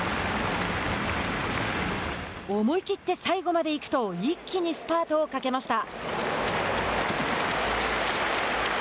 思い切って最後まで行くと一気にスパートをかけました。